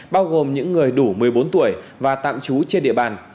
bao gồm những người đủ một mươi bốn tuổi và tạm trú trên địa bàn